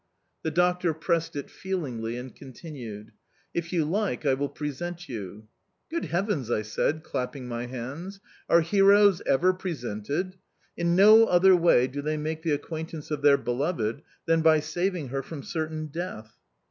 The doctor pressed it feelingly and continued: "If you like I will present you"... "Good heavens!" I said, clapping my hands. "Are heroes ever presented? In no other way do they make the acquaintance of their beloved than by saving her from certain death!"...